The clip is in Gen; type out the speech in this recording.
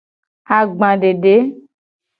Agbadede.